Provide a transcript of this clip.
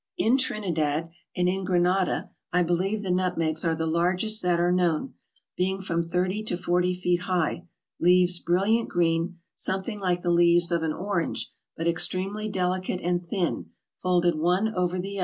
In Trinidad and in Grenada I believe the nutmegs are the largest that are known, being from thirty to forty feet high; leaves brilliant green, something like the leaves of an orange, but extremely delicate and thin, folded one over the other, VOL.